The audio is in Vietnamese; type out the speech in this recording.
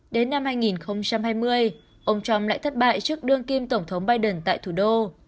đến năm hai nghìn hai mươi ông trump lại thất bại trước đương kim tổng thống biden tại thủ đô